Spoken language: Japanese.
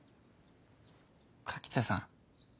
柿田さん。